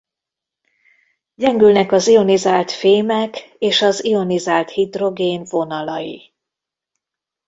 Gyengülnek az ionizált fémek és az ionizált hidrogén vonalai.